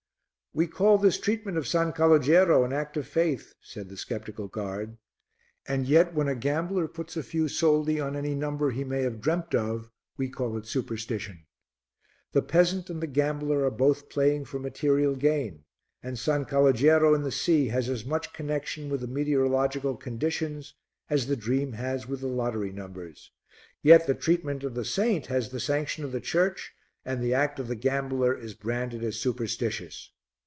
"We call this treatment of S. Calogero an act of faith," said the sceptical guard, "and yet when a gambler puts a few soldi on any number he may have dreamt of, we call it superstition. The peasant and the gambler are both playing for material gain, and S. Calogero in the sea has as much connection with the meteorological conditions as the dream has with the lottery numbers; yet the treatment of the saint has the sanction of the Church and the act of the gambler is branded as superstitious.